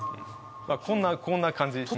こんなこんな感じですね。